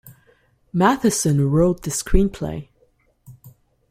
Matheson wrote the screenplay.